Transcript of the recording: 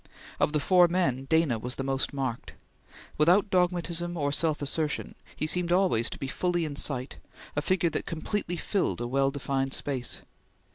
Of the four men, Dana was the most marked. Without dogmatism or self assertion, he seemed always to be fully in sight, a figure that completely filled a well defined space.